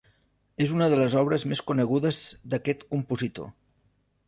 És una de les obres més conegudes d'aquest compositor.